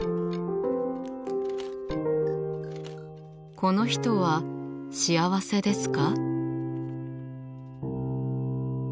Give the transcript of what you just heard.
この人は幸せですか？